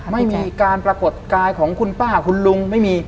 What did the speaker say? ไม่มีการปรากฏกายของคุณป้าคุณลุงไม่มี